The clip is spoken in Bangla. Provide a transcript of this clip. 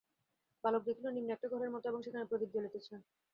বালক দেখিল নিম্নে একটা ঘরের মতো এবং সেখানে প্রদীপ জ্বলিতেছে।